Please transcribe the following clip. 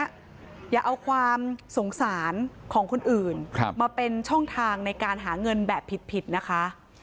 อย่าเอาความสงสารของคนอื่นมาเป็นช่องทางในการหาเงินแบบผิดนะคะ